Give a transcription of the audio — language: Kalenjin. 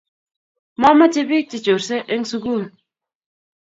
Mamache pik che chorese en sukul